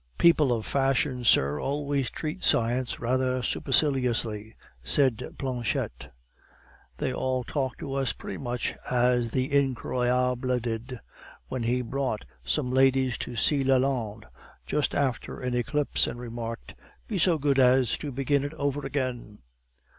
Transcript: "People of fashion, sir, always treat science rather superciliously," said Planchette. "They all talk to us pretty much as the incroyable did when he brought some ladies to see Lalande just after an eclipse, and remarked, 'Be so good as to begin it over again!